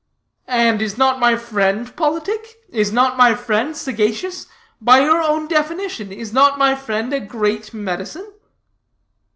"And is not my friend politic? Is not my friend sagacious? By your own definition, is not my friend a Great Medicine?"